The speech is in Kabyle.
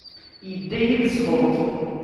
idda yid-s Luṭ.